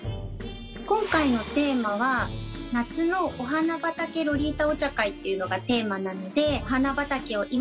今回のテーマは「夏のお花畑ロリータお茶会」っていうのがテーマなので。